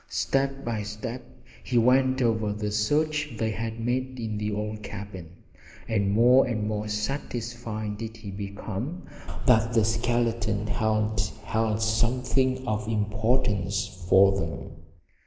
Step by step he went over the search they had made in the old cabin, and more and more satisfied did he become that the skeleton hand held something of importance for them.